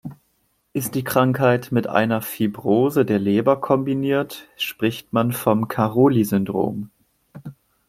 Ist die Krankheit mit einer Fibrose der Leber kombiniert, spricht man vom Caroli-Syndrom.